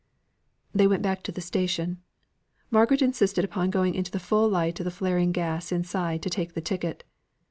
They went back to the station. Margaret insisted on going into the full light of the flaring gas inside to take the ticket.